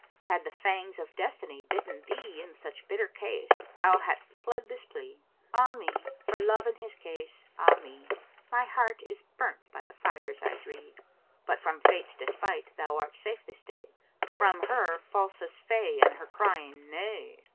Had the fangs of Destiny bitten thee * In such bitter case thou hadst pled this plea, 'Ah me, for Love and his case, ah me: My heart is burnt by the fires I dree!' But from Fate's despight thou art safe this day; * From her falsest fay and her crying 'Nay!'